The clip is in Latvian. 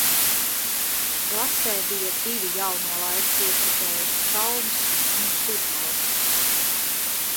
Klasē bija divi jauno laiku piekritēji, Šalms un Sudmalis.